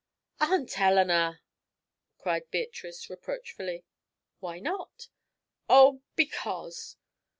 "Aunt Eleanor!" cried Beatrice, reproachfully. "Why not?" "Oh because.